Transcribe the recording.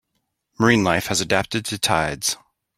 Marine life has adapted to tides.